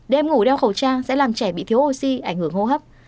đêm ngủ đeo khẩu trang sẽ làm trẻ bị thiếu oxy ảnh hưởng hô hấp